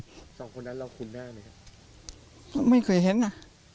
สองคนนั้นเราคุ้นได้ไหมครับไม่เคยเห็นอ่ะ